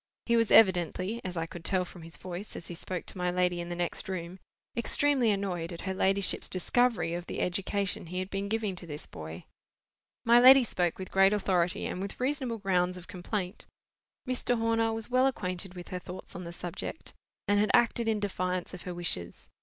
He was evidently—as I could tell from his voice, as he spoke to my lady in the next room—extremely annoyed at her ladyship's discovery of the education he had been giving to this boy. My lady spoke with great authority, and with reasonable grounds of complaint. Mr. Horner was well acquainted with her thoughts on the subject, and had acted in defiance of her wishes.